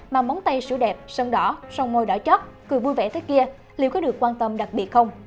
mà món tay sữa đẹp sơn đỏ sông môi đỏ chất cười vui vẻ thế kia liệu có được quan tâm đặc biệt không